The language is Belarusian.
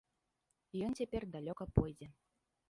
Ён цяпер далёка пойдзе.